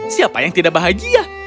siapa yang tidak bahagia